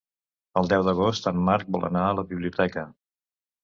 El deu d'agost en Marc vol anar a la biblioteca.